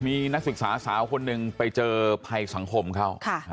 มีนักศึกษาสาวคนหนึ่งไปเจอภัยสังคมเข้า